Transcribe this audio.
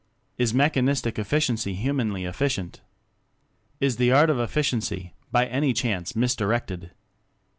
Is mechanistic efficiency Humanly efficient? Is the Art of Efficiency, by any chance, mis directed?